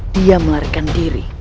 dia melarikan diri